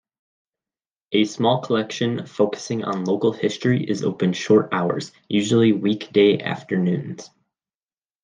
A small collection focusing on local history is open short hours, usually weekday afternoons.